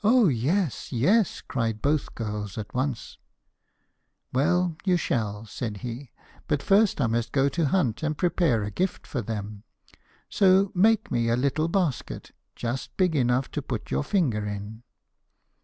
'Oh, yes, yes!' cried both the girls at once. 'Well, you shall,' said he; 'but first I must go to hunt and prepare a gift for them. So make me a little basket, just big enough to put your finger in.'